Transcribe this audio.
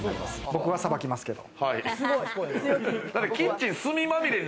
僕はさばきますけど。